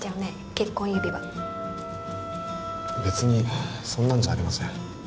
結婚指輪別にそんなんじゃありません